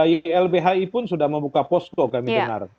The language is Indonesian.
ylbhi pun sudah membuka posko kami dengar